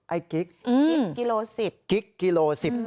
ไอ้กลิ๊กกิโลสิบ